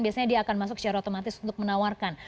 biasanya dia akan masuk secara otomatis untuk menawarkan